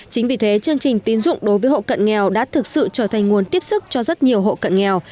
chính vì thế chương trình tín dụng đối với hộ cận nghèo đã thực sự trở thành nguồn tiếp sức cho rất nhiều hộ cận nghèo